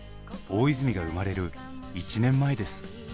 大泉が生まれる１年前です。